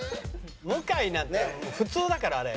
向井なんてもう普通だからあれ。